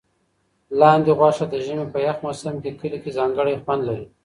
لاندي غوښه د ژمي په یخ موسم کې کلي کې ځانګړی خوند لري.